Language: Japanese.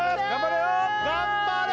頑張れ！